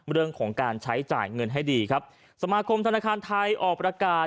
เรื่องของการใช้จ่ายเงินให้ดีครับสมาคมธนาคารไทยออกประกาศ